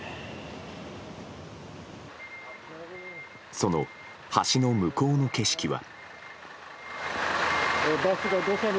その橋の向こうの景色は。